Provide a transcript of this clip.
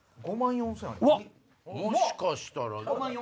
もしかしたら。